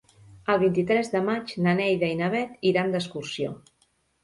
El vint-i-tres de maig na Neida i na Bet iran d'excursió.